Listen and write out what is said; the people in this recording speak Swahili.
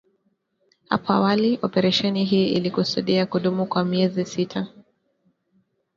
Hapo awali operesheni hii ilikusudiwa kudumu kwa miezi sita.